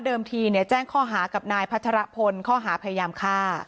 ทีแจ้งข้อหากับนายพัทรพลข้อหาพยายามฆ่า